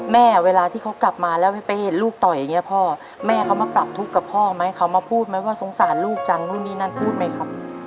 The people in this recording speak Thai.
เวลาที่เขากลับมาแล้วไปเห็นลูกต่อยอย่างนี้พ่อแม่เขามาปรับทุกข์กับพ่อไหมเขามาพูดไหมว่าสงสารลูกจังนู่นนี่นั่นพูดไหมครับ